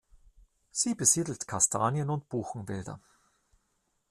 Sie besiedelt Kastanien- und Buchenwälder.